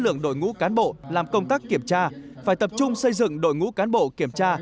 lượng đội ngũ cán bộ làm công tác kiểm tra phải tập trung xây dựng đội ngũ cán bộ kiểm tra